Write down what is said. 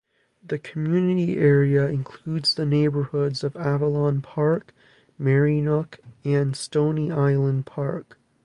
The community area includes the neighborhoods of Avalon Park, Marynook and Stony Island Park.